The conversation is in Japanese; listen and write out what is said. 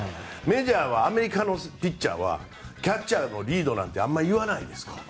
メジャーはアメリカのピッチャーはキャッチャーのリードなんてあまり言わないですから。